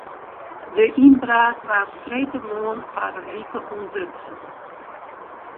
De ynbraak waard freedtemoarn foar in wike ûntdutsen.